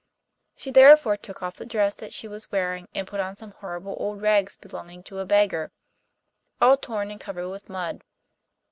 She therefore took off the dress that she was wearing and put on some horrible old rags belonging to a beggar, all torn and covered with mud.